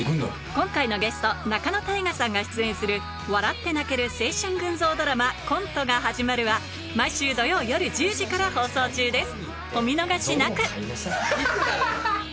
今回のゲスト仲野太賀さんが出演する笑って泣ける青春群像ドラマ『コントが始まる』は毎週土曜夜１０時から放送中です